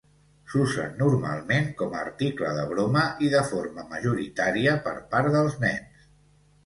S'usen normalment com a article de broma i de forma majoritària per part dels nens.